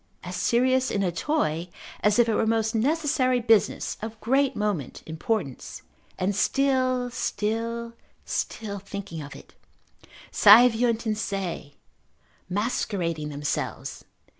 As serious in a toy, as if it were a most necessary business, of great moment, importance, and still, still, still thinking of it: saeviunt in se, macerating themselves.